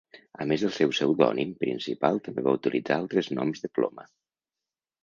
A més del seu pseudònim principal, també va utilitzar altres noms de ploma.